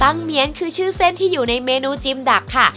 เมียนคือชื่อเส้นที่อยู่ในเมนูจิมดักค่ะ